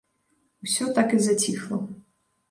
Усё так і заціхла.